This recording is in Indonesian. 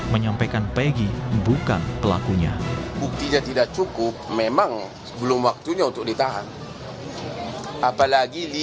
menyampaikan peggy bukan pelakunya buktinya tidak cukup memang belum waktunya untuk ditahan apalagi di